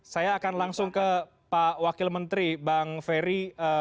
saya akan langsung ke pak wakil menteri bang ferry